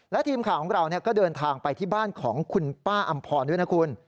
และทีมข่าวของเราก็เดินทางไปที่บ้านของคุณป้าอำพรด้วยนะคุณ